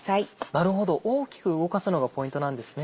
なるほど大きく動かすのがポイントなんですね。